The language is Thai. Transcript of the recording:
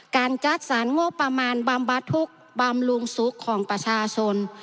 การจัดสรรงบประมาณบำบัดทุกข์บำรุงสุขของประชาชน